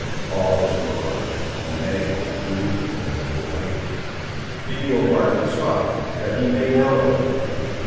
"All this will I, and may I, do, noble boy." "He will mark the spot, that he may know it."